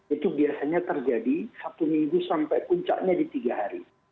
itu biasanya terjadi satu minggu sampai puncaknya di tiga hari